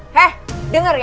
he denger ya